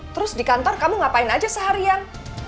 terus di kantor kamu ngapain aja seharian